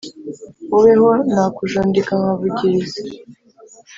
wowe ho nakujundika nkavugirirza